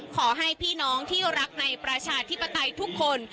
ขอให้พี่น้องที่รักในประชาธิปไตยทุกคน